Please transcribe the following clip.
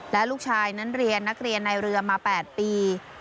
และลูกชายนั้นเรียนนักเรียนในเรือมา๘ปี